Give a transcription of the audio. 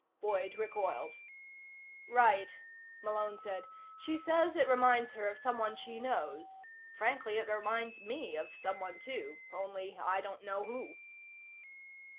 Boyd recoiled. "Right," Malone said. "She says it reminds her of someone she knows. Frankly, it reminds me of someone, too. Only I don't know who."